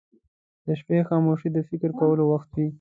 • د شپې خاموشي د فکر کولو وخت وي.